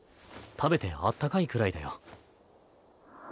食べてあったかいくらいだよ。